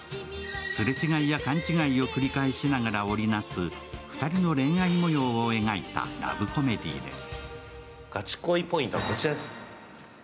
すれ違いや勘違いを繰り返しながら織り成す２人の恋愛模様を描いたラブコメディーです。